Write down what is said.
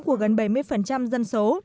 của gần bảy mươi dân số